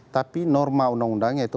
tapi norma undang undangnya itu